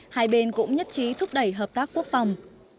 hai bên cũng nhất trí thúc đẩy hợp tác quốc phòng